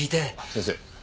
先生。